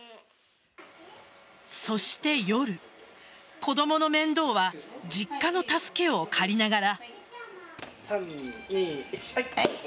そして夜、子供の面倒は実家の助けを借りながら。